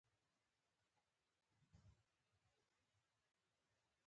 سید له کاروان سره روان شو او اوږده لار یې ووهله.